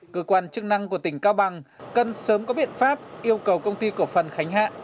cơ quan chức năng của tỉnh cao bằng cần sớm có biện pháp yêu cầu công ty cổ phần khánh hạn